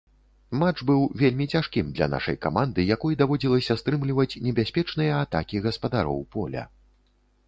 Матч быў вельмі цяжкім для нашай каманды, якой даводзілася стрымліваць небяспечныя атакі гаспадароў поля.